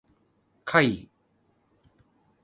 怪異